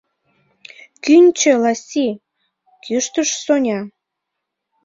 «Кӱнчӧ, Ласси», – кӱштыш Соня.